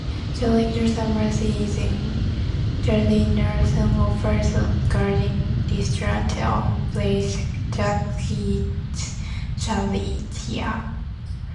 During the summer season, "Jardin Nelson" offers a garden restaurant on Place Jacques-Cartier.